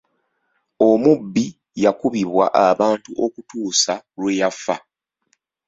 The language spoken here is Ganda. Omubbi yakubibwa abantu okutuusa lwe yafa.